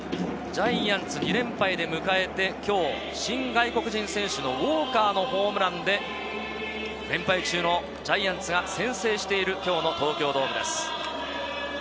ジャイアンツ、２連敗で迎えて、今日、新外国人選手のウォーカーのホームランで、連敗中のジャイアンツが先制している今日の東京ドームです。